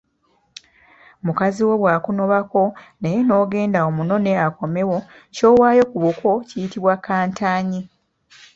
Mukazi wo bw’akunobako naye n’ogenda omunone akomewo, ky’owaayo ku buko kiyitibwa Kantanyi.